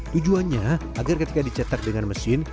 tujuannya agar ketika dicetak dengan mesin